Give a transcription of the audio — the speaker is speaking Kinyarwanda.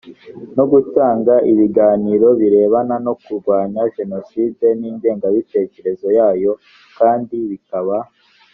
no gutanga ibiganiro birebana no kurwanya jenoside n ingengabitekerezo yayo kandi bikaba